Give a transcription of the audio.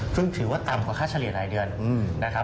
ซึ่งถือว่าต่ำกว่าค่าเฉลี่ยหลายเดือนนะครับ